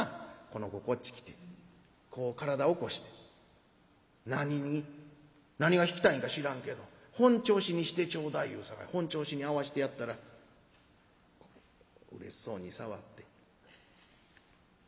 この子こっち来てこう体起こして『何に？』。何が弾きたいんか知らんけど『本調子にしてちょうだい』言うさかい本調子に合わしてやったらこううれしそうに触って」。